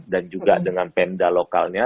dan juga dengan penda lokalnya